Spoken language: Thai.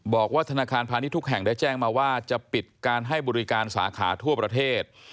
บอกว่าธนาคารพาณิชย์ทุกแห่งได้แจ้งมาว่าจะปิดการให้บริการสาขาทั่วประเทศ